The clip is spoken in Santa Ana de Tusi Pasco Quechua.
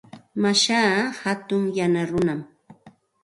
Mashaa hatun yana runam.